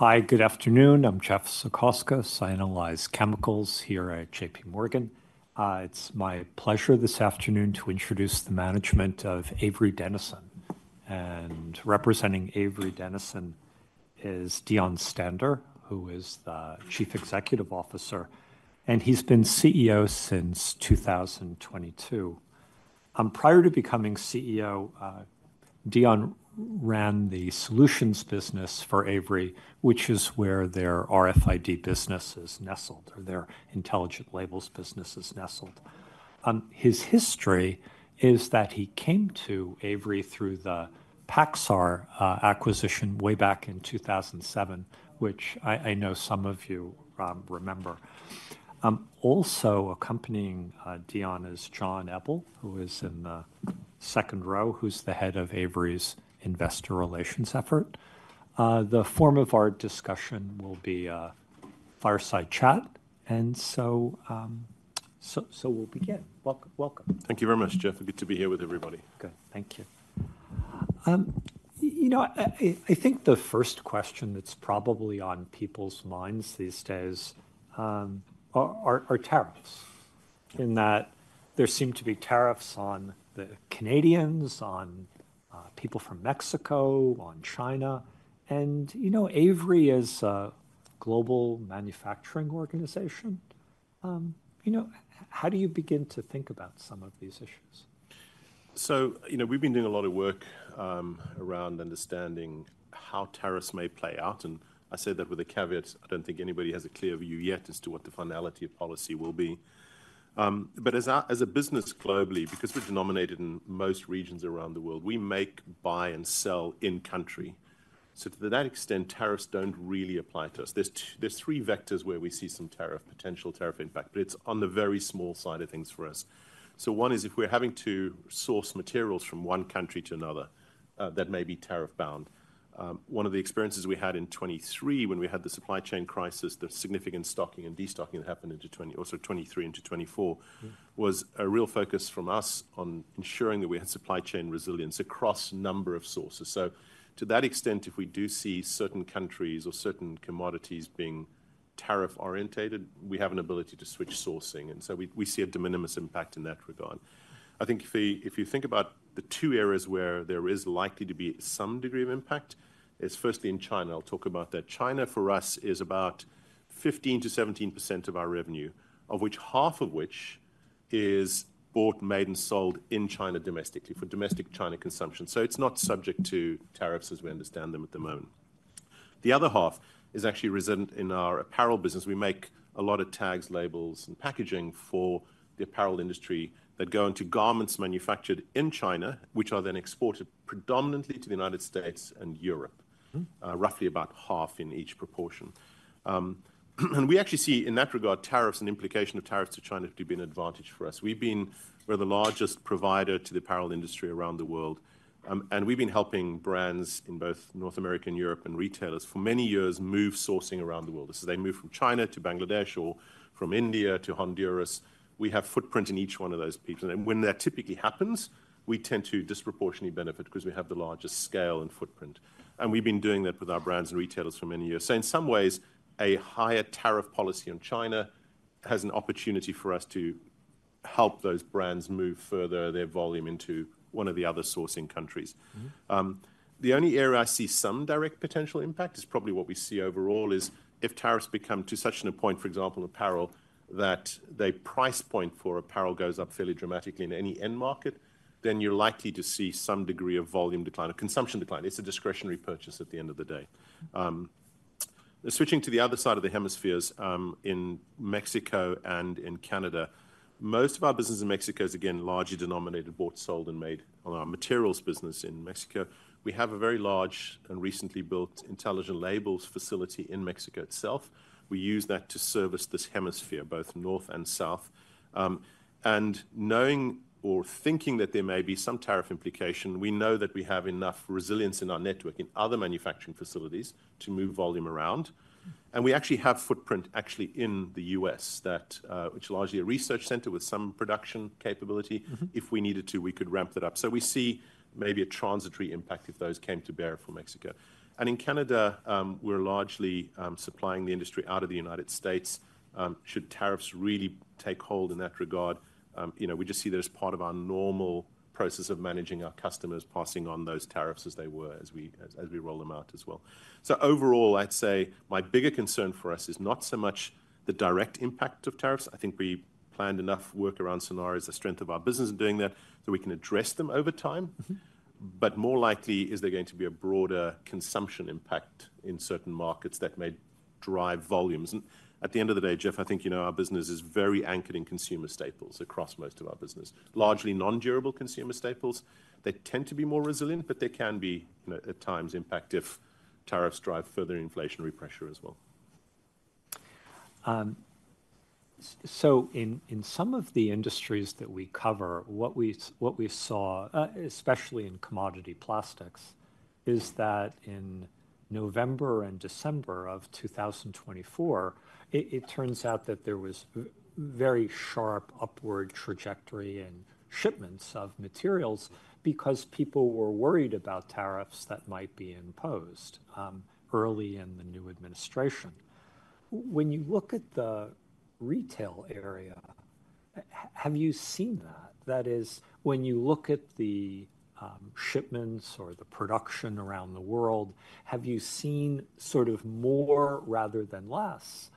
Hi, good afternoon. I'm Jeff Solomon, I analyze chemicals here at J.P. Morgan. It's my pleasure this afternoon to introduce the management of Avery Dennison. Representing Avery Dennison is Deon Stander, who is the Chief Executive Officer, and he's been CEO since 2022. Prior to becoming CEO, Deon ran the solutions business for Avery, which is where their RFID business is nestled, or their Intelligent Labels business is nestled. His history is that he came to Avery through the Paxar acquisition way back in 2007, which I know some of you remember. Also, accompanying Deon is John Eble, who is in the second row, who's the head of Avery's investor relations effort. The form of our discussion will be a fireside chat, and we will begin. Welcome. Thank you very much, Jeff. Good to be here with everybody. Good, thank you. You know, I think the first question that's probably on people's minds these days are tariffs, in that there seem to be tariffs on the Canadians, on people from Mexico, on China. Avery is a global manufacturing organization. How do you begin to think about some of these issues? You know, we've been doing a lot of work around understanding how tariffs may play out. I say that with a caveat, I don't think anybody has a clear view yet as to what the finality of policy will be. As a business globally, because we're denominated in most regions around the world, we make, buy, and sell in country. To that extent, tariffs don't really apply to us. There are three vectors where we see some tariff potential, tariff impact, but it's on the very small side of things for us. One is if we're having to source materials from one country to another that may be tariff bound. One of the experiences we had in 2023, when we had the supply chain crisis, the significant stocking and destocking that happened in 2020, also 2023 into 2024, was a real focus from us on ensuring that we had supply chain resilience across a number of sources. To that extent, if we do see certain countries or certain commodities being tariff orientated, we have an ability to switch sourcing. We see a de minimis impact in that regard. I think if you think about the two areas where there is likely to be some degree of impact, it's firstly in China. I'll talk about that. China for us is about 15%-17% of our revenue, of which half of which is bought, made, and sold in China domestically for domestic China consumption. It is not subject to tariffs as we understand them at the moment. The other half is actually resident in our apparel business. We make a lot of tags, labels, and packaging for the apparel industry that go into garments manufactured in China, which are then exported predominantly to the United States and Europe, roughly about half in each proportion. We actually see in that regard tariffs and implication of tariffs to China to be an advantage for us. We've been the largest provider to the apparel industry around the world, and we've been helping brands in both North America and Europe and retailers for many years move sourcing around the world. This is as they move from China to Bangladesh or from India to Honduras. We have footprint in each one of those places. When that typically happens, we tend to disproportionately benefit because we have the largest scale and footprint. We have been doing that with our brands and retailers for many years. In some ways, a higher tariff policy on China has an opportunity for us to help those brands move further their volume into one of the other sourcing countries. The only area I see some direct potential impact is probably what we see overall if tariffs become to such a point, for example, apparel, that the price point for apparel goes up fairly dramatically in any end market, then you are likely to see some degree of volume decline or consumption decline. It is a discretionary purchase at the end of the day. Switching to the other side of the hemispheres, in Mexico and in Canada, most of our business in Mexico is again largely denominated, bought, sold, and made on our materials business in Mexico. We have a very large and recently built intelligent labels facility in Mexico itself. We use that to service this hemisphere, both north and south. Knowing or thinking that there may be some tariff implication, we know that we have enough resilience in our network in other manufacturing facilities to move volume around. We actually have footprint in the U.S., which is largely a research center with some production capability. If we needed to, we could ramp that up. We see maybe a transitory impact if those came to bear for Mexico. In Canada, we are largely supplying the industry out of the United States should tariffs really take hold in that regard. We just see that as part of our normal process of managing our customers, passing on those tariffs as they were as we roll them out as well. Overall, I'd say my bigger concern for us is not so much the direct impact of tariffs. I think we planned enough work around scenarios, the strength of our business in doing that, so we can address them over time. More likely is there going to be a broader consumption impact in certain markets that may drive volumes. At the end of the day, Jeff, I think you know our business is very anchored in consumer staples across most of our business, largely non-durable consumer staples. They tend to be more resilient, but they can be at times impact if tariffs drive further inflationary pressure as well. In some of the industries that we cover, what we saw, especially in commodity plastics, is that in November and December of 2024, it turns out that there was very sharp upward trajectory in shipments of materials because people were worried about tariffs that might be imposed early in the new administration. When you look at the retail area, have you seen that? That is, when you look at the shipments or the production around the world, have you seen sort of more rather than less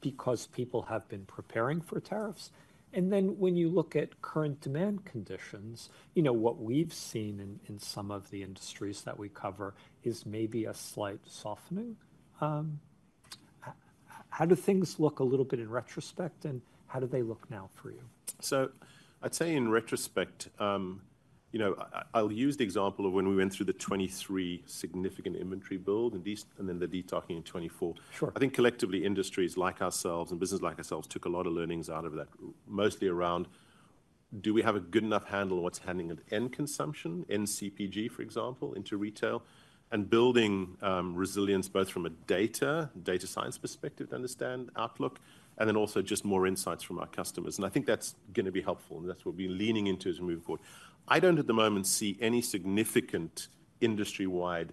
because people have been preparing for tariffs? When you look at current demand conditions, you know what we've seen in some of the industries that we cover is maybe a slight softening. How do things look a little bit in retrospect, and how do they look now for you? I'd say in retrospect, you know I'll use the example of when we went through the 2023 significant inventory build and then the destocking in 2024. I think collectively industries like ourselves and businesses like ourselves took a lot of learnings out of that, mostly around do we have a good enough handle on what's handling at end consumption, end CPG, for example, into retail and building resilience both from a data science perspective to understand outlook and then also just more insights from our customers. I think that's going to be helpful, and that's what we'll be leaning into as we move forward. I don't at the moment see any significant industry-wide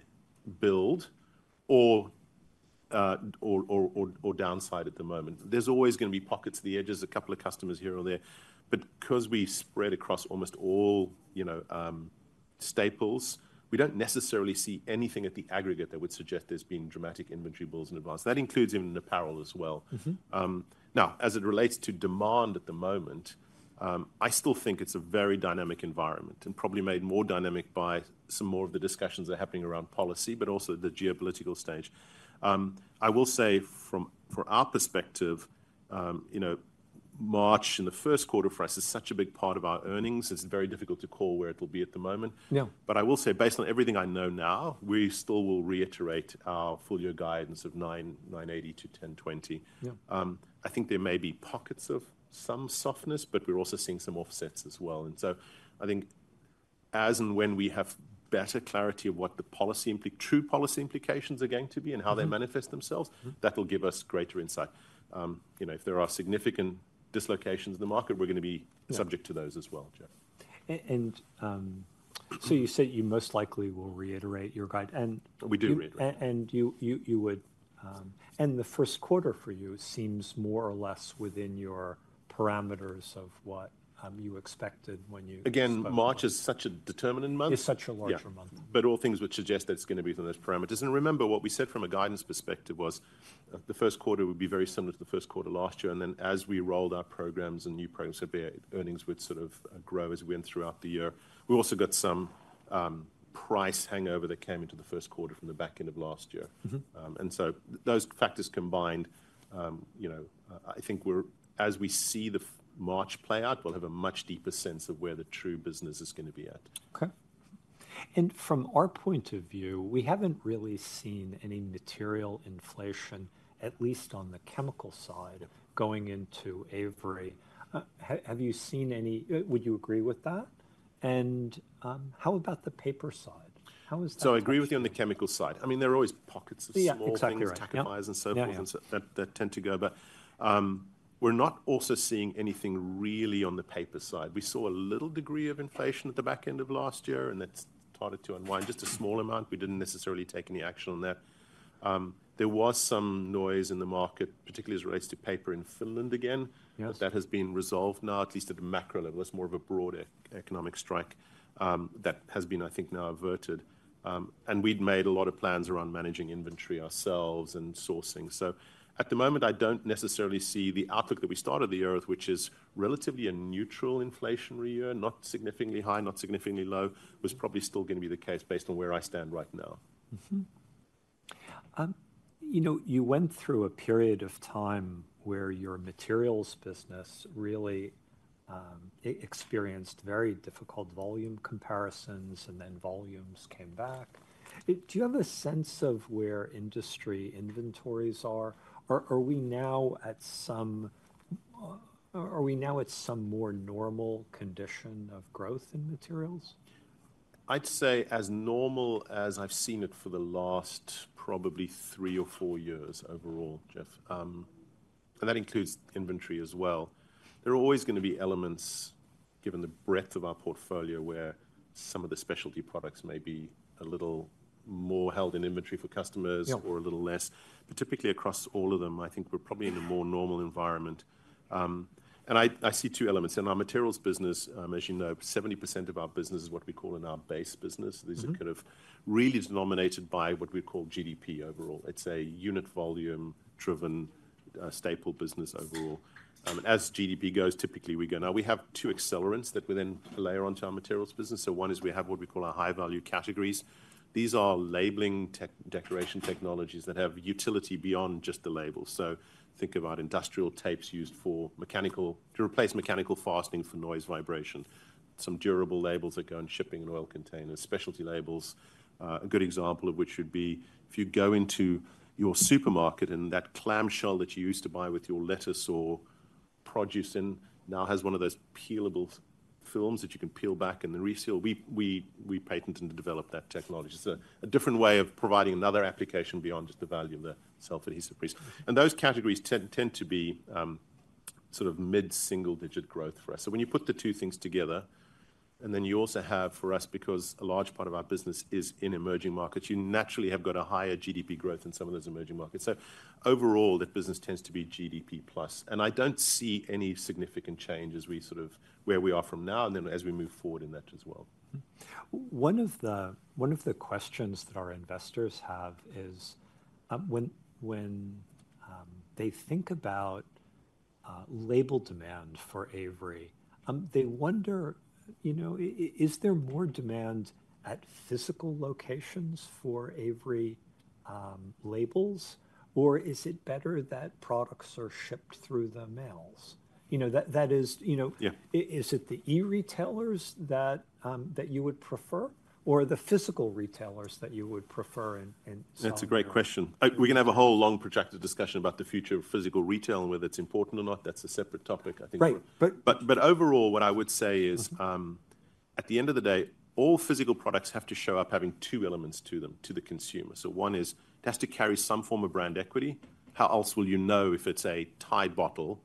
build or downside at the moment. There's always going to be pockets at the edges, a couple of customers here or there. Because we spread across almost all staples, we do not necessarily see anything at the aggregate that would suggest there has been dramatic inventory builds in advance. That includes even in apparel as well. Now, as it relates to demand at the moment, I still think it is a very dynamic environment and probably made more dynamic by some more of the discussions that are happening around policy, but also the geopolitical stage. I will say from our perspective, March in the first quarter for us is such a big part of our earnings. It is very difficult to call where it will be at the moment. I will say based on everything I know now, we still will reiterate our full year guidance of $980-$1,020. I think there may be pockets of some softness, but we are also seeing some offsets as well. I think as and when we have better clarity of what the true policy implications are going to be and how they manifest themselves, that'll give us greater insight. If there are significant dislocations in the market, we're going to be subject to those as well, Jeff. You said you most likely will reiterate your guide. We do reiterate. The first quarter for you seems more or less within your parameters of what you expected when you. Again, March is such a determining month. It's such a larger month. All things would suggest that it's going to be within those parameters. Remember what we said from a guidance perspective was the first quarter would be very similar to the first quarter last year. As we rolled our programs and new programs, earnings would sort of grow as we went throughout the year. We also got some price hangover that came into the first quarter from the back end of last year. Those factors combined, I think as we see the March play out, we'll have a much deeper sense of where the true business is going to be at. Okay. From our point of view, we haven't really seen any material inflation, at least on the chemical side going into Avery. Have you seen any? Would you agree with that? How about the paper side? I agree with you on the chemical side. I mean, there are always pockets of small price tactical buys and so forth that tend to go. We're not also seeing anything really on the paper side. We saw a little degree of inflation at the back end of last year, and that's tied to unwind, just a small amount. We didn't necessarily take any action on that. There was some noise in the market, particularly as it relates to paper in Finland again, but that has been resolved now, at least at a macro level. It's more of a broader economic strike that has been, I think, now averted. We'd made a lot of plans around managing inventory ourselves and sourcing. At the moment, I don't necessarily see the outlook that we started the year, which is relatively a neutral inflationary year, not significantly high, not significantly low, was probably still going to be the case based on where I stand right now. You went through a period of time where your materials business really experienced very difficult volume comparisons, and then volumes came back. Do you have a sense of where industry inventories are? Are we now at some more normal condition of growth in materials? I'd say as normal as I've seen it for the last probably three or four years overall, Jeff. That includes inventory as well. There are always going to be elements, given the breadth of our portfolio, where some of the specialty products may be a little more held in inventory for customers or a little less. Typically across all of them, I think we're probably in a more normal environment. I see two elements. In our materials business, as you know, 70% of our business is what we call in our Base Business. This kind of really is nominated by what we call GDP overall. It's a unit volume driven staple business overall. As GDP goes, typically we go. Now we have two accelerants that we then layer onto our materials business. One is we have what we call our High Value Categories. These are labeling declaration technologies that have utility beyond just the label. Think about industrial tapes used to replace mechanical fastening for noise vibration. Some durable labels that go in shipping and oil containers, specialty labels, a good example of which would be if you go into your supermarket and that clamshell that you used to buy with your lettuce or produce in now has one of those peelable films that you can peel back and then reseal. We patent and develop that technology. It's a different way of providing another application beyond just the value of the self-adhesive piece. Those categories tend to be sort of mid single digit growth for us. When you put the two things together, and then you also have for us, because a large part of our business is in emerging markets, you naturally have got a higher GDP growth in some of those emerging markets. So overall, that business tends to be GDP plus. I do not see any significant change as we sort of where we are from now and then as we move forward in that as well. One of the questions that our investors have is when they think about label demand for Avery, they wonder, you know, is there more demand at physical locations for Avery labels, or is it better that products are shipped through the mails? You know, that is, you know, is it the e-retailers that you would prefer or the physical retailers that you would prefer? That's a great question. We're going to have a whole long projected discussion about the future of physical retail and whether it's important or not. That is a separate topic, I think. Overall, what I would say is at the end of the day, all physical products have to show up having two elements to them, to the consumer. One is it has to carry some form of brand equity. How else will you know if it's a Tide bottle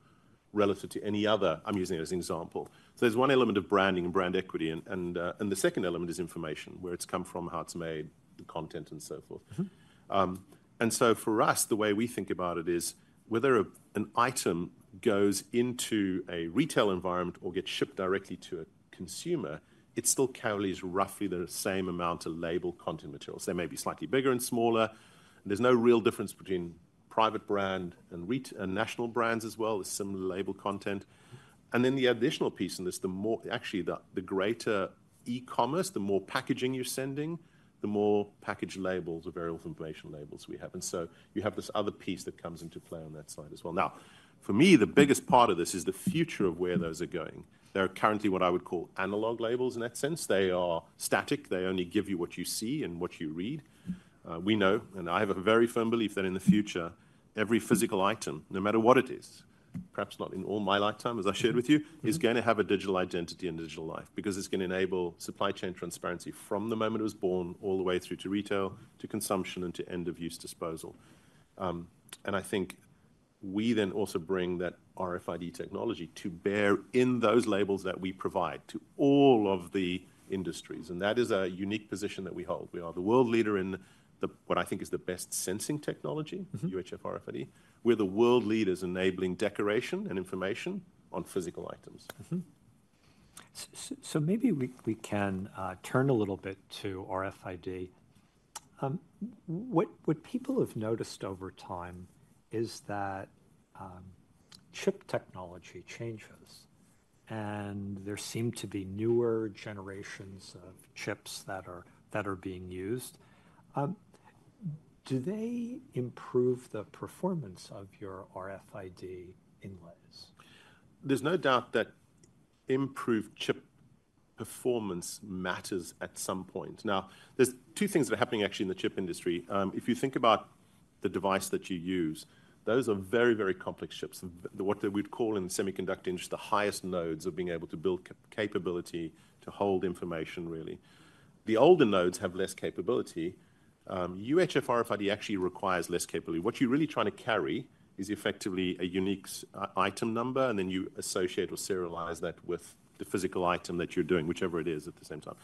relative to any other? I'm using it as an example. There is one element of branding and brand equity. The second element is information, where it's come from, how it's made, the content, and so forth. For us, the way we think about it is whether an item goes into a retail environment or gets shipped directly to a consumer, it still carries roughly the same amount of label content materials. They may be slightly bigger and smaller. There is no real difference between private brand and national brands as well. There is some label content. The additional piece in this, the more actually the greater e-commerce, the more packaging you are sending, the more package labels or variable information labels we have. You have this other piece that comes into play on that side as well. For me, the biggest part of this is the future of where those are going. They are currently what I would call analog labels in that sense. They are static. They only give you what you see and what you read. We know, and I have a very firm belief that in the future, every physical item, no matter what it is, perhaps not in all my lifetime, as I shared with you, is going to have a digital identity and digital life because it's going to enable supply chain transparency from the moment it was born all the way through to retail, to consumption, and to end of use disposal. I think we then also bring that RFID technology to bear in those labels that we provide to all of the industries. That is a unique position that we hold. We are the world leader in what I think is the best sensing technology, UHF RFID. We're the world leaders enabling decoration and information on physical items. Maybe we can turn a little bit to RFID. What people have noticed over time is that chip technology changes, and there seem to be newer generations of chips that are being used. Do they improve the performance of your RFID inlays? There's no doubt that improved chip performance matters at some point. Now, there's two things that are happening actually in the chip industry. If you think about the device that you use, those are very, very complex chips. What we'd call in the semiconductor industry, the highest nodes are being able to build capability to hold information, really. The older nodes have less capability. UHF RFID actually requires less capability. What you're really trying to carry is effectively a unique item number, and then you associate or serialize that with the physical item that you're doing, whichever it is at the same time.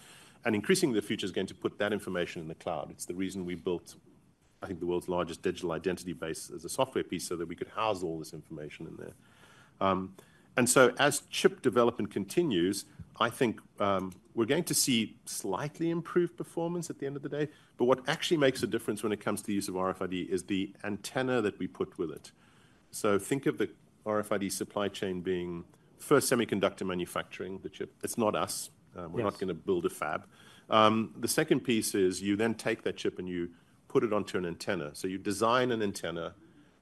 Increasingly, the future is going to put that information in the cloud. It's the reason we built, I think, the world's largest digital identity base as a software piece so that we could house all this information in there. As chip development continues, I think we're going to see slightly improved performance at the end of the day. What actually makes a difference when it comes to the use of RFID is the antenna that we put with it. Think of the RFID supply chain being first semiconductor manufacturing, the chip. It's not us. We're not going to build a fab. The second piece is you then take that chip and you put it onto an antenna. You design an antenna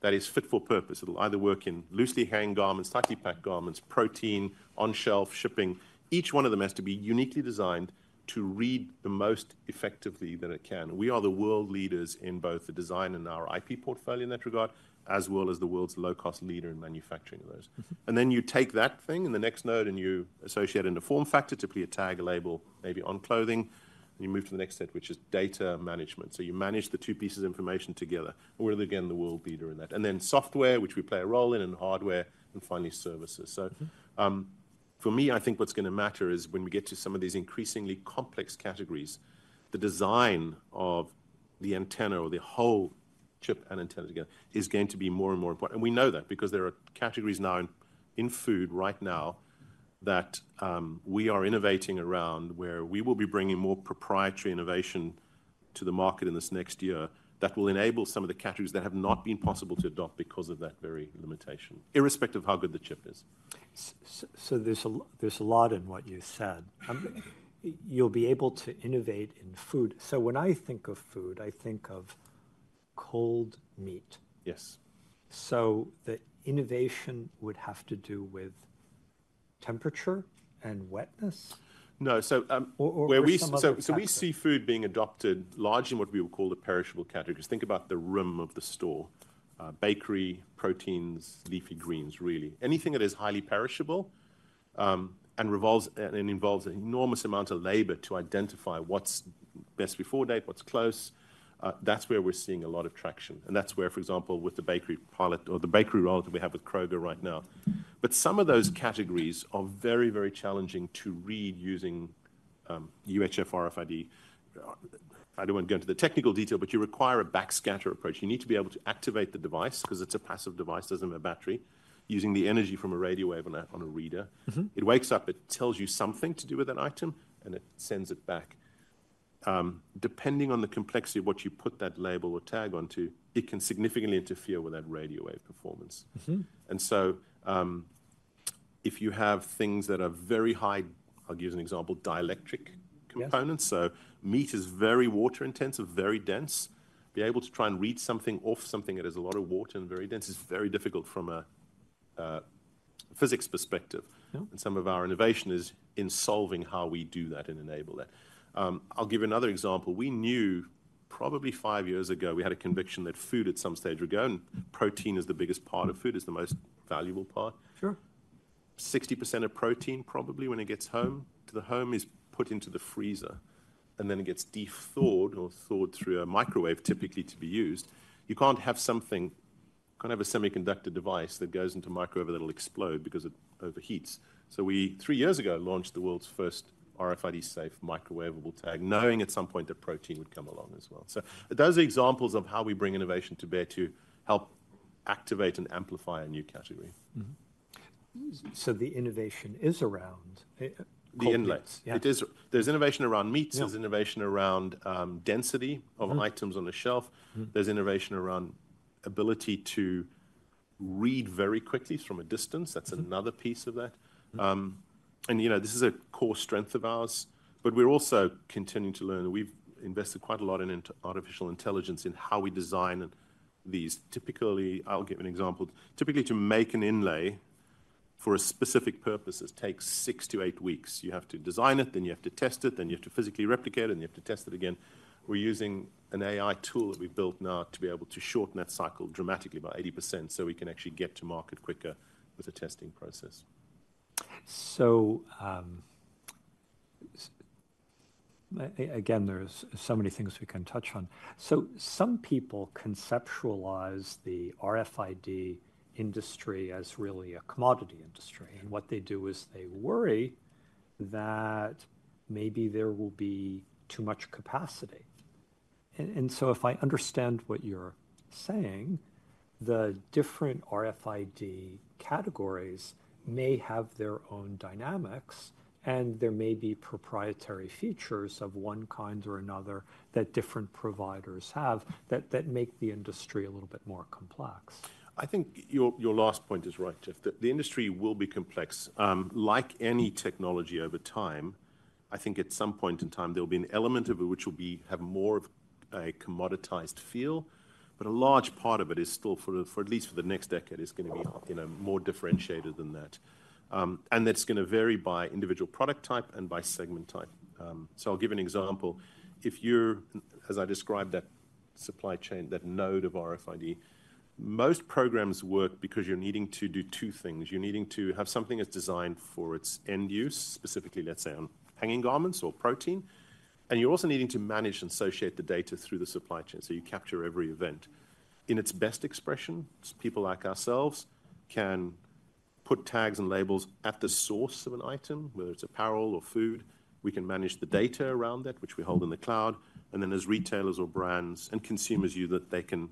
that is fit for purpose. It'll either work in loosely hanged garments, tightly packed garments, protein, on shelf shipping. Each one of them has to be uniquely designed to read the most effectively that it can. We are the world leaders in both the design and our IP portfolio in that regard, as well as the world's low-cost leader in manufacturing of those. You take that thing in the next node and you associate it into form factor, typically a tag, a label, maybe on clothing. You move to the next step, which is data management. You manage the two pieces of information together. We're again the world leader in that. Then software, which we play a role in, and hardware, and finally services. For me, I think what's going to matter is when we get to some of these increasingly complex categories, the design of the antenna or the whole chip and antenna together is going to be more and more important. We know that because there are categories now in food right now that we are innovating around where we will be bringing more proprietary innovation to the market in this next year that will enable some of the categories that have not been possible to adopt because of that very limitation, irrespective of how good the chip is. There is a lot in what you said. You'll be able to innovate in food. When I think of food, I think of cold meat. Yes. The innovation would have to do with temperature and wetness? No. We see food being adopted largely in what we would call the perishable categories. Think about the rim of the store, bakery, proteins, leafy greens, really. Anything that is highly perishable and involves an enormous amount of labor to identify what's best before date, what's close, that's where we're seeing a lot of traction. That's where, for example, with the bakery pilot or the bakery roll that we have with Kroger right now. Some of those categories are very, very challenging to read using UHF RFID. I don't want to go into the technical detail, but you require a backscatter approach. You need to be able to activate the device because it's a passive device, doesn't have a battery, using the energy from a radio wave on a reader. It wakes up, it tells you something to do with an item, and it sends it back. Depending on the complexity of what you put that label or tag onto, it can significantly interfere with that radio wave performance. If you have things that are very high, I'll use an example, dielectric components. Meat is very water intensive, very dense. Be able to try and read something off something that has a lot of water and very dense is very difficult from a physics perspective. Some of our innovation is in solving how we do that and enable that. I'll give you another example. We knew probably five years ago we had a conviction that food at some stage would go, and protein is the biggest part of food, is the most valuable part. Sure. 60% of protein probably when it gets home to the home is put into the freezer, and then it gets dethawed or thawed through a microwave typically to be used. You can't have something, can't have a semiconductor device that goes into microwave that'll explode because it overheats. We, three years ago, launched the world's first RFID safe microwavable tag, knowing at some point that protein would come along as well. Those are examples of how we bring innovation to bear to help activate and amplify a new category. The innovation is around. The inlets. There's innovation around meats. There's innovation around density of items on a shelf. There's innovation around ability to read very quickly from a distance. That's another piece of that. You know this is a core strength of ours, but we're also continuing to learn. We've invested quite a lot in artificial intelligence in how we design these. Typically, I'll give an example. Typically, to make an inlay for a specific purpose, it takes six to eight weeks. You have to design it, then you have to test it, then you have to physically replicate it, and you have to test it again. We're using an AI tool that we built now to be able to shorten that cycle dramatically by 80% so we can actually get to market quicker with a testing process. There are so many things we can touch on. Some people conceptualize the RFID industry as really a commodity industry. What they do is they worry that maybe there will be too much capacity. If I understand what you're saying, the different RFID categories may have their own dynamics, and there may be proprietary features of one kind or another that different providers have that make the industry a little bit more complex. I think your last point is right, Jeff, that the industry will be complex. Like any technology over time, I think at some point in time, there'll be an element of it which will have more of a commoditized feel, but a large part of it is still for at least for the next decade, it's going to be more differentiated than that. That is going to vary by individual product type and by segment type. I will give an example. If you're, as I described, that supply chain, that node of RFID, most programs work because you're needing to do two things. You're needing to have something that's designed for its end use, specifically, let's say, on hanging garments or protein. You're also needing to manage and associate the data through the supply chain. You capture every event. In its best expression, people like ourselves can put tags and labels at the source of an item, whether it's apparel or food. We can manage the data around that, which we hold in the cloud. As retailers or brands and consumers use it, they can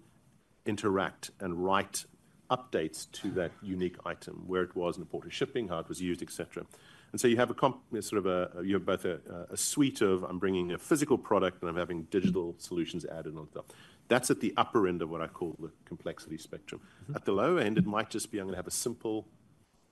interact and write updates to that unique item, where it was in the port of shipping, how it was used, et cetera. You have a sort of a, you're both a suite of, I'm bringing a physical product and I'm having digital solutions added on top. That's at the upper end of what I call the complexity spectrum. At the lower end, it might just be, I'm going to have a simple,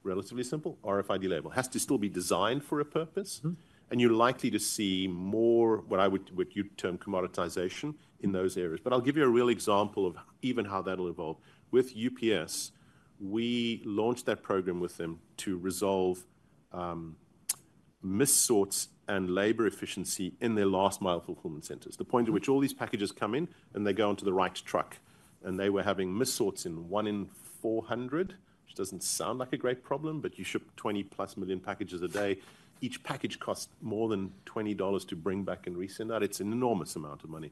relatively simple RFID label. It has to still be designed for a purpose, and you're likely to see more what I would, what you'd term commoditization in those areas. I'll give you a real example of even how that'll evolve. With UPS, we launched that program with them to resolve missorts and labor efficiency in their last mile fulfillment centers. The point at which all these packages come in and they go onto the right truck, they were having missorts in one in 400, which doesn't sound like a great problem, but you ship 20 plus million packages a day. Each package costs more than $20 to bring back and resend that. It's an enormous amount of money.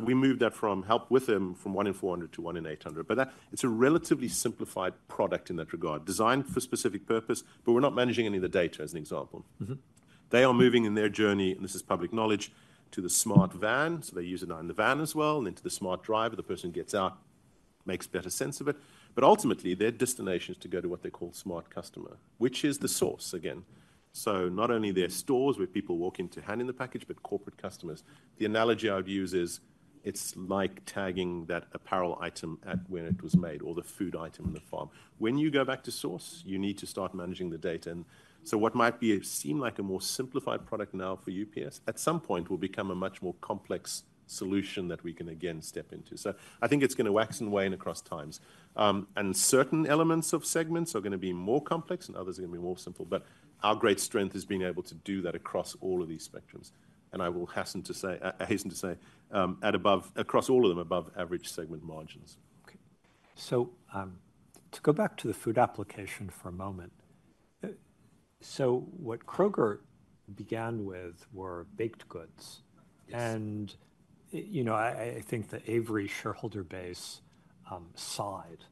We moved that from help with them from one in 400 to one in 800. It is a relatively simplified product in that regard, designed for specific purpose, but we're not managing any of the data, as an example. They are moving in their journey, and this is public knowledge, to the smart van. They use it on the van as well, and into the smart driver, the person gets out, makes better sense of it. Ultimately, their destination is to go to what they call Smart Customer, which is the source again. Not only their stores where people walk in to hand in the package, but corporate customers. The analogy I would use is it's like tagging that apparel item at where it was made or the food item in the farm. When you go back to source, you need to start managing the data. What might seem like a more simplified product now for UPS at some point will become a much more complex solution that we can again step into. I think it's going to wax and wane across times. Certain elements of segments are going to be more complex and others are going to be more simple. Our great strength has been able to do that across all of these spectrums. I hasten to say, across all of them, above average segment margins. Okay. To go back to the food application for a moment. What Kroger began with were baked goods. You know, I think the Avery shareholder base sighed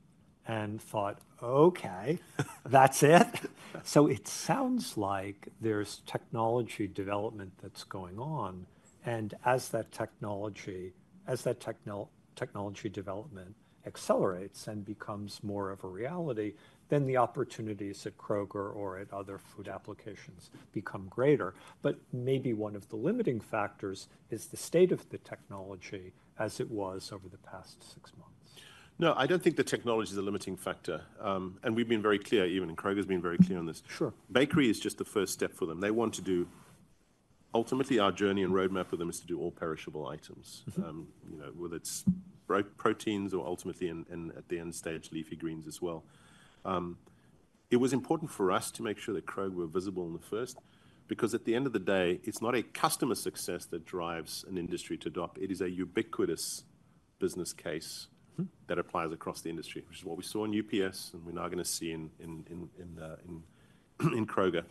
and thought, okay, that's it. It sounds like there's technology development that's going on. As that technology development accelerates and becomes more of a reality, the opportunities at Kroger or at other food applications become greater. Maybe one of the limiting factors is the state of the technology as it was over the past six months. No, I don't think the technology is a limiting factor. We've been very clear, even Kroger's been very clear on this. Bakery is just the first step for them. They want to do, ultimately our journey and roadmap with them is to do all perishable items, whether it's proteins or ultimately at the end stage, leafy greens as well. It was important for us to make sure that Kroger were visible in the first, because at the end of the day, it's not a customer success that drives an industry to adopt. It is a ubiquitous business case that applies across the industry, which is what we saw in UPS and we're now going to see in Kroger.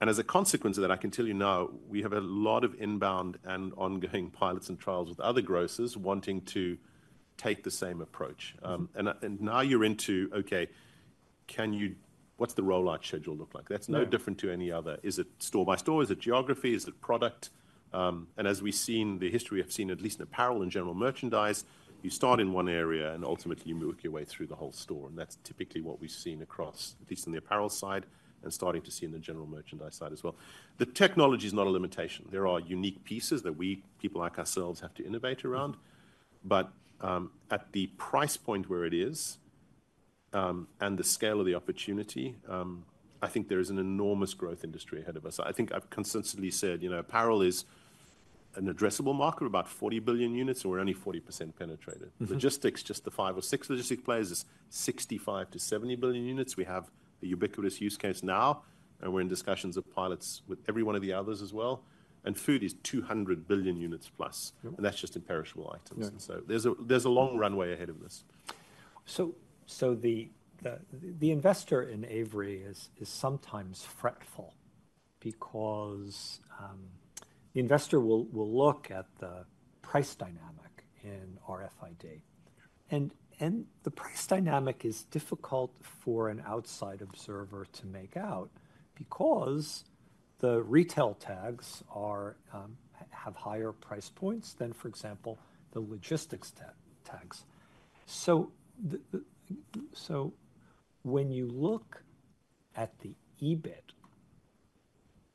As a consequence of that, I can tell you now we have a lot of inbound and ongoing pilots and trials with other grocers wanting to take the same approach. Now you're into, okay, can you, what's the rollout schedule look like? That's no different to any other. Is it store by store? Is it geography? Is it product? As we've seen the history, I've seen at least in apparel and general merchandise, you start in one area and ultimately you work your way through the whole store. That's typically what we've seen across, at least on the apparel side and starting to see in the general merchandise side as well. The technology is not a limitation. There are unique pieces that we, people like ourselves, have to innovate around. At the price point where it is and the scale of the opportunity, I think there is an enormous growth industry ahead of us. I think I've consistently said, you know, apparel is an addressable market of about 40 billion units, so we're only 40% penetrated. Logistics, just the five or six logistic players, is 65-70 billion units. We have a ubiquitous use case now, and we're in discussions of pilots with every one of the others as well. Food is 200 billion units plus, and that's just in perishable items. There is a long runway ahead of this. The investor in Avery is sometimes fretful because the investor will look at the price dynamic in RFID. The price dynamic is difficult for an outside observer to make out because the retail tags have higher price points than, for example, the logistics tags. When you look at the EBIT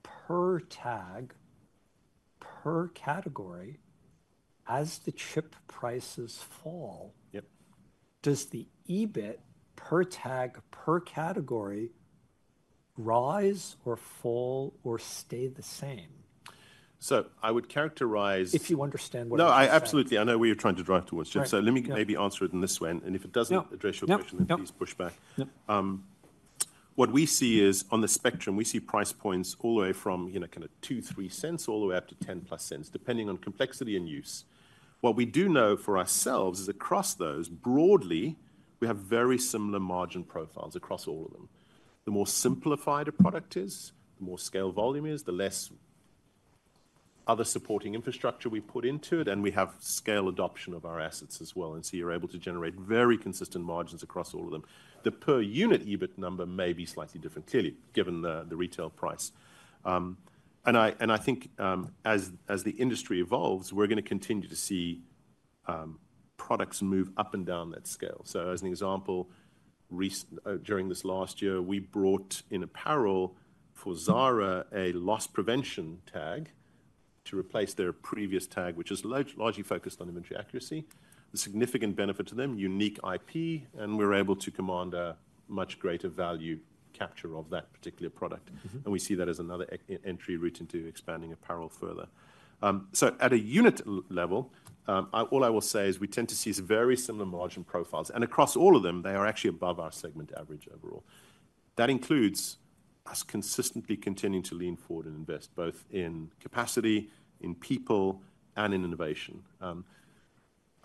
per tag per category, as the chip prices fall, does the EBIT per tag per category rise or fall or stay the same? I would characterize. If you understand what. No, I absolutely. I know what you're trying to drive towards, Jeff. Let me maybe answer it in this way. If it doesn't address your question, then please push back. What we see is on the spectrum, we see price points all the way from kind of two, three cents all the way up to 10 plus cents, depending on complexity and use. What we do know for ourselves is across those broadly, we have very similar margin profiles across all of them. The more simplified a product is, the more scale volume is, the less other supporting infrastructure we put into it, and we have scale adoption of our assets as well. You are able to generate very consistent margins across all of them. The per unit EBIT number may be slightly different clearly, given the retail price. I think as the industry evolves, we're going to continue to see products move up and down that scale. For example, during this last year, we brought in apparel for Zara, a loss prevention tag to replace their previous tag, which is largely focused on imagery accuracy. The significant benefit to them, unique IP, and we're able to command a much greater value capture of that particular product. We see that as another entry route into expanding apparel further. At a unit level, all I will say is we tend to see very similar margin profiles. Across all of them, they are actually above our segment average overall. That includes us consistently continuing to lean forward and invest both in capacity, in people, and in innovation.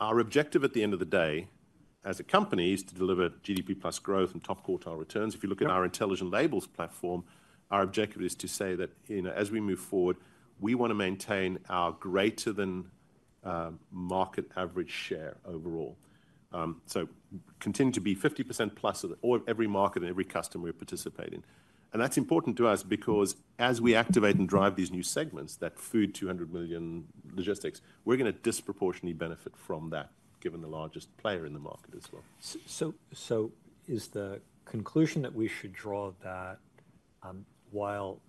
Our objective at the end of the day as a company is to deliver GDP plus growth and top quartile returns. If you look at our Intelligent Labels platform, our objective is to say that as we move forward, we want to maintain our greater than market average share overall. We continue to be 50% plus of every market and every customer we're participating in. That is important to us because as we activate and drive these new segments, that food, 200 million logistics, we're going to disproportionately benefit from that, given the largest player in the market as well. Is the conclusion that we should draw that while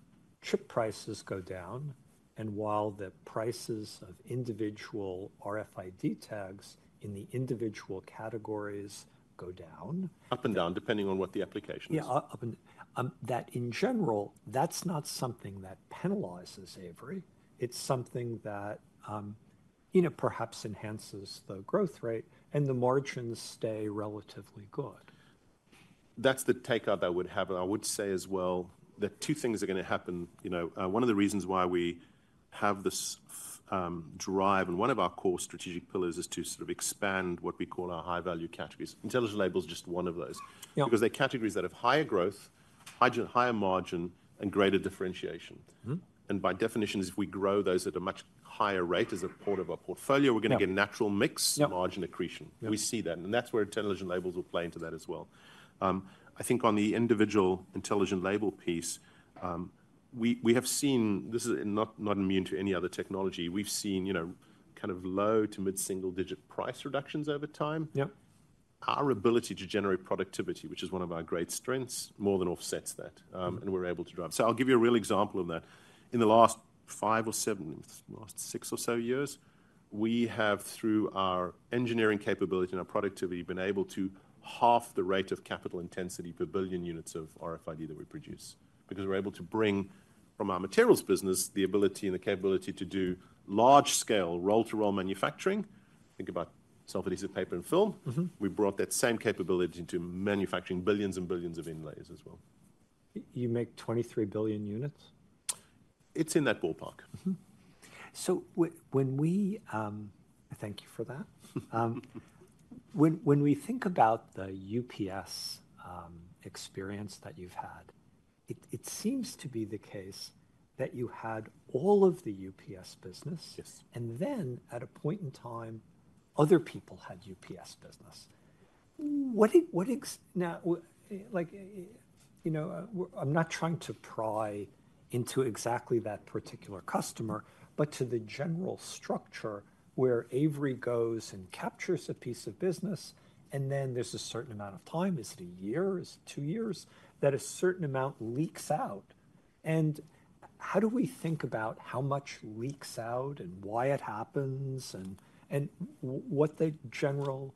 chip prices go down and while the prices of individual RFID tags in the individual categories go down? Up and down, depending on what the application is. Yeah, up and down. That in general, that's not something that penalizes Avery It's something that perhaps enhances the growth rate and the margins stay relatively good. That's the takeout that I would have. I would say as well that two things are going to happen. One of the reasons why we have this drive and one of our core strategic pillars is to sort of expand what we call our high value categories. Intelligent labels is just one of those because they're categories that have higher growth, higher margin, and greater differentiation. By definition, if we grow those at a much higher rate as a part of our portfolio, we're going to get natural mix margin accretion. We see that. That's where intelligent labels will play into that as well. I think on the individual intelligent label piece, we have seen, this is not immune to any other technology, we've seen kind of low to mid single digit price reductions over time. Our ability to generate productivity, which is one of our great strengths, more than offsets that. We are able to drive. I'll give you a real example of that. In the last five or seven, last six or so years, we have, through our engineering capability and our productivity, been able to half the rate of capital intensity per billion units of RFID that we produce because we're able to bring from our materials business the ability and the capability to do large scale roll-to-roll manufacturing. Think about self-adhesive paper and film. We brought that same capability into manufacturing billions and billions of inlays as well. You make 23 billion units? It's in that ballpark. Thank you for that. When we think about the UPS experience that you've had, it seems to be the case that you had all of the UPS business. And then at a point in time, other people had UPS business. Now, I'm not trying to pry into exactly that particular customer, but to the general structure where Avery goes and captures a piece of business, and then there's a certain amount of time, is it a year, is it two years, that a certain amount leaks out. How do we think about how much leaks out and why it happens and what the general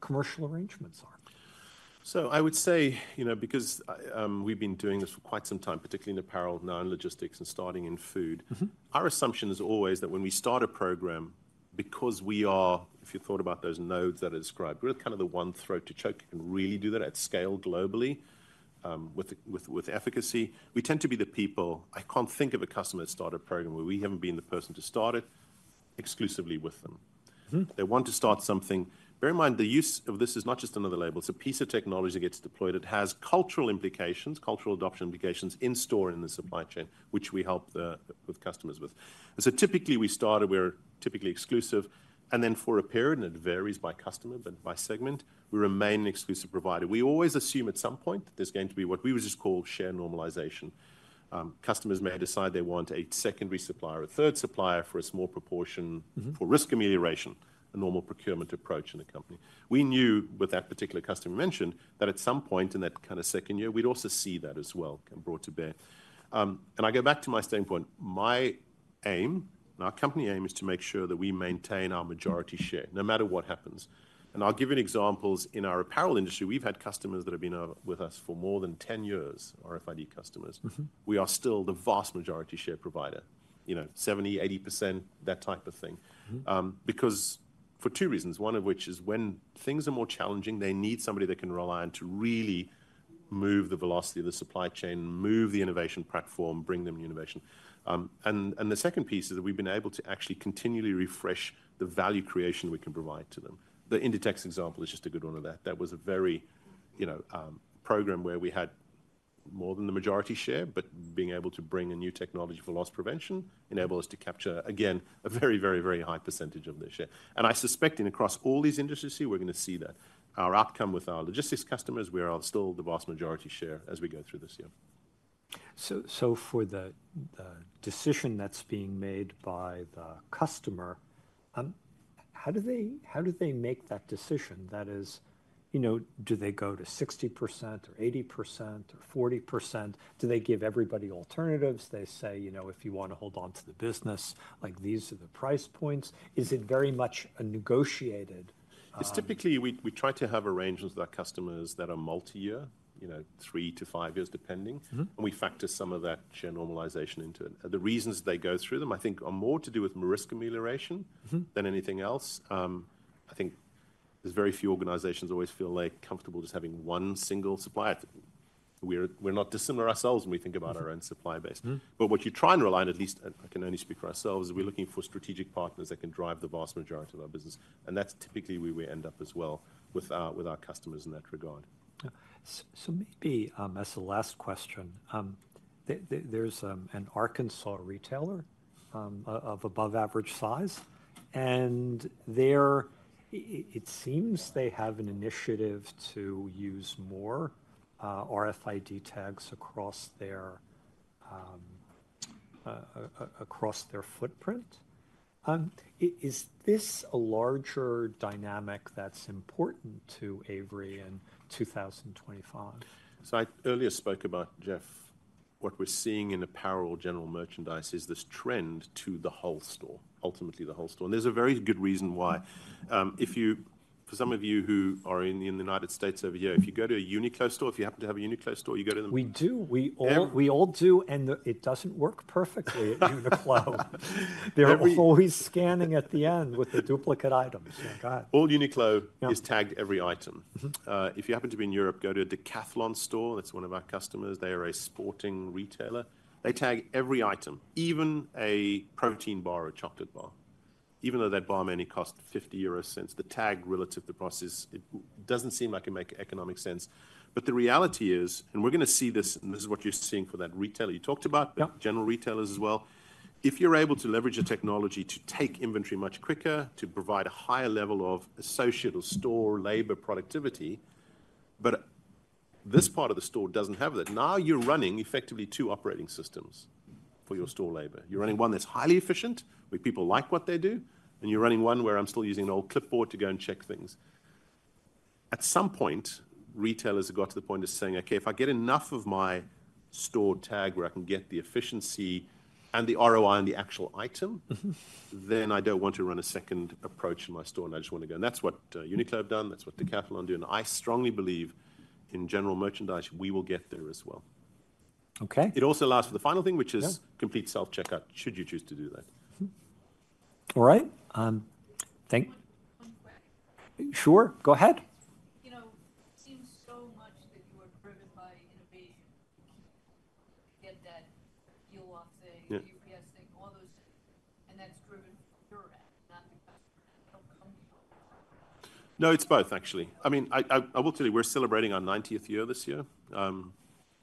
commercial arrangements are? I would say, you know, because we've been doing this for quite some time, particularly in apparel, now in logistics and starting in food, our assumption is always that when we start a program, because we are, if you thought about those nodes that are described, we're kind of the one throat to choke and really do that at scale globally with efficacy. We tend to be the people, I can't think of a customer that started a program where we haven't been the person to start it exclusively with them. They want to start something. Bear in mind, the use of this is not just another label. It's a piece of technology that gets deployed. It has cultural implications, cultural adoption implications in store in the supply chain, which we help the customers with. Typically we started, we're typically exclusive. For a period, and it varies by customer than by segment, we remain an exclusive provider. We always assume at some point that there's going to be what we would just call share normalization. Customers may decide they want a secondary supplier, a third supplier for a small proportion for risk amelioration, a normal procurement approach in a company. We knew with that particular customer mentioned that at some point in that kind of second year, we'd also see that as well and brought to bear. I go back to my standpoint. My aim, our company aim is to make sure that we maintain our majority share no matter what happens. I'll give you examples. In our apparel industry, we've had customers that have been with us for more than 10 years, RFID customers. We are still the vast majority share provider, 70%-80%, that type of thing. Because for two reasons, one of which is when things are more challenging, they need somebody they can rely on to really move the velocity of the supply chain, move the innovation platform, bring them innovation. The second piece is that we've been able to actually continually refresh the value creation we can provide to them. The Inditex example is just a good one of that. That was a very program where we had more than the majority share, but being able to bring a new technology for loss prevention enabled us to capture, again, a very, very, very high percentage of their share. I suspect in across all these industries here, we're going to see that. Our outcome with our logistics customers, we are still the vast majority share as we go through this year. For the decision that's being made by the customer, how do they make that decision? That is, do they go to 60% or 80% or 40%? Do they give everybody alternatives? They say, you know, if you want to hold on to the business, like these are the price points. Is it very much a negotiated? Typically we try to have arrangements with our customers that are multi-year, three to five years depending. We factor some of that share normalization into it. The reasons they go through them, I think are more to do with risk amelioration than anything else. I think very few organizations always feel comfortable just having one single supplier. We are not dissimilar ourselves when we think about our own supply base. What you try and rely on, at least I can only speak for ourselves, is we are looking for strategic partners that can drive the vast majority of our business. That is typically where we end up as well with our customers in that regard. Maybe as a last question, there's an Arkansas retailer of above average size. And it seems they have an initiative to use more RFID tags across their footprint. Is this a larger dynamic that's important to Avery in 2025? I earlier spoke about, Jeff, what we're seeing in apparel, general merchandise is this trend to the whole store, ultimately the whole store. There's a very good reason why. For some of you who are in the United States over here, if you go to a Uniqlo store, if you happen to have a Uniqlo store, you go to the. We do. We all do. It doesn't work perfectly in the cloud. They're always scanning at the end with the duplicate items. Oh God. All Uniqlo is tagged every item. If you happen to be in Europe, go to a Decathlon store. That's one of our customers. They are a sporting retailer. They tag every item, even a protein bar or chocolate bar. Even though that bar may cost 0.50, the tag relative to the price doesn't seem like it makes economic sense. The reality is, and we're going to see this, and this is what you're seeing for that retailer you talked about, general retailers as well. If you're able to leverage your technology to take inventory much quicker, to provide a higher level of associate or store labor productivity, but this part of the store doesn't have that. Now you're running effectively two operating systems for your store labor. You're running one that's highly efficient where people like what they do, and you're running one where I'm still using an old clipboard to go and check things. At some point, retailers have got to the point of saying, okay, if I get enough of my store tagged where I can get the efficiency and the ROI on the actual item, then I don't want to run a second approach in my store, and I just want to go. That's what Uniqlo have done. That's what Decathlon do. I strongly believe in general merchandise, we will get there as well. Okay. It also allows for the final thing, which is complete self-checkout, should you choose to do that. All right. Thank you. Sure. Go ahead. You know, it seems so much that you are driven by innovation. Get that deal off the UPS thing. No, it's both, actually. I mean, I will tell you, we're celebrating our 90th year this year.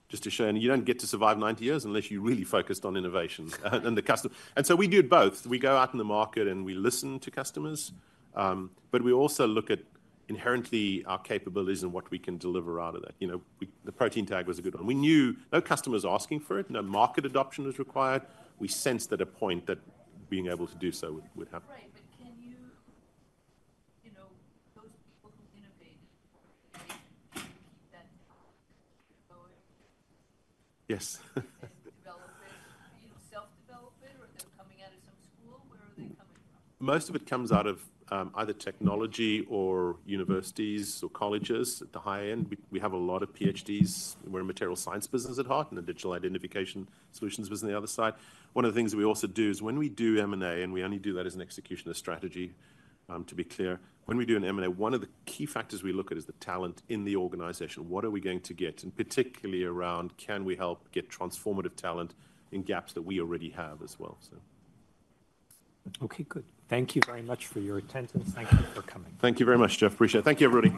Just to show you, you don't get to survive 90 years unless you're really focused on innovation. We do both. We go out in the market and we listen to customers, but we also look at inherently our capabilities and what we can deliver out of that. The protein tag was a good one. We knew no customer was asking for it. No market adoption was required. We sensed at a point that being able to do so would happen. You know, those people who've been a thing. Yes. Develop it, self-develop it, or they're coming out of some school, where are they coming? Most of it comes out of either technology or universities or colleges at the high end. We have a lot of PhDs. We're in the material science business at heart and the digital identification solutions business on the other side. One of the things we also do is when we do M&A, and we only do that as an executioner strategy, to be clear, when we do an M&A, one of the key factors we look at is the talent in the organization. What are we going to get, and particularly around, can we help get transformative talent in gaps that we already have as well? Okay, good. Thank you very much for your attention. Thank you for coming. Thank you very much, Jeff. Appreciate it. Thank you, everybody.